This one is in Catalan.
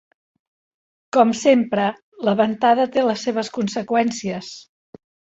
Com sempre, la ventada té les seves conseqüències.